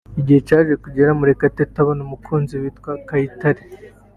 Igihe cyaje kugera Murekatete abona umukunzi witwa Kayitare